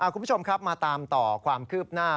คุณผู้ชมครับมาตามต่อความคืบหน้า